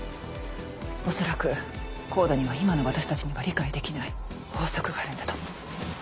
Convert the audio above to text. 恐らくＣＯＤＥには今の私たちには理解できない法則があるんだと思う。